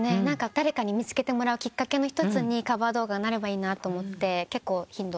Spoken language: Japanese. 誰かに見つけてもらうきっかけの一つにカバー動画がなればいいなと思って結構頻度。